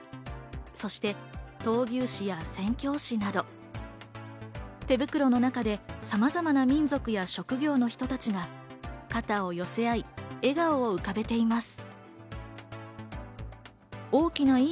そして闘牛士や宣教師などてぶくろの中でさまざまな民族や職業の人たちが肩を寄せ合い、笑顔を浮かべています。